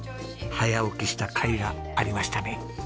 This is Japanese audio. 早起きしたかいがありましたね。